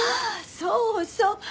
そうそう。